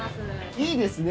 いいですね。